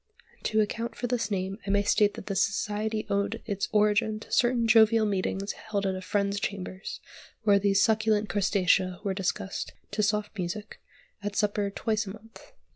To account for this name I may state that the society owed its origin to certain jovial meetings held at a friend's chambers, where these succulent crustacea were discussed (to soft music) at supper, twice a month.